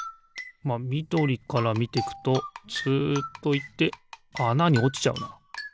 まあみどりからみてくとツッといってあなにおちちゃうな。